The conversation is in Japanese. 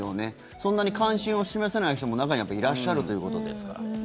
そんなに関心を示さない人も中にはいらっしゃるということですからね。